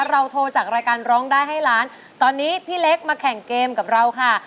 เราโทรจากรายการร้องได้ให้ล้านตอนนี้พี่เล็กมาแข่งเกมกับเราค่ะ